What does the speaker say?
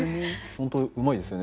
本当うまいですよね。